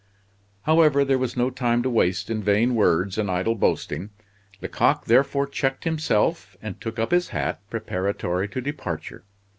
However, there was no time to waste in vain words and idle boasting. Lecoq therefore checked himself, and took up his hat preparatory to departure.